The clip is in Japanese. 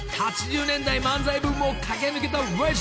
８０年代漫才ブームを駆け抜けたレジェンド］